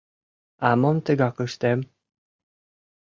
А мом тыгак ыштем?..